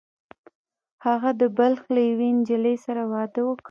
هغه د بلخ له یوې نجلۍ سره واده وکړ